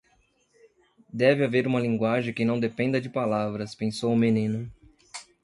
Deve haver uma linguagem que não dependa de palavras, pensou o menino.